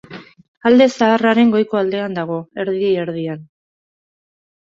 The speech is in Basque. Alde Zaharraren goiko aldean dago, erdi-erdian.